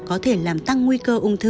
có thể làm tăng nguy cơ ung thư